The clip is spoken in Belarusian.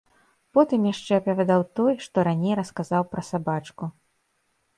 Потым яшчэ апавядаў той, што раней расказаў пра сабачку.